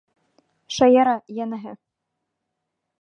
Шаяра, йәнәһе.